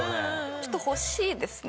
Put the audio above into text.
ちょっと欲しいですね。